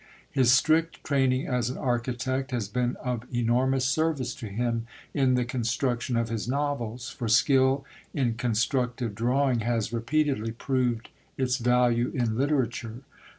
His strict training as an architect has been of enormous service to him in the construction of his novels, for skill in constructive drawing has repeatedly proved its value in literature.